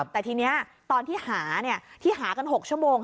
แต่ทีนี้ตอนที่หาที่หากัน๖ชั่วโมง